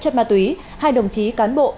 chất ma túy hai đồng chí cán bộ